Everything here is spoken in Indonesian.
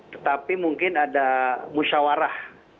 tetapi mungkin ada musyawarah